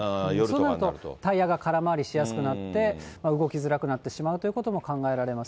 そうなるとタイヤが空回りして、動きづらくなってしまうということも考えられます。